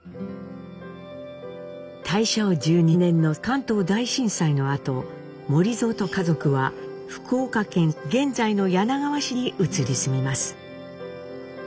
大正１２年の関東大震災のあと守造と家族は福岡県現在の柳川市に移り住みます。